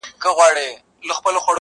ما به ولي کاروانونه لوټولاى-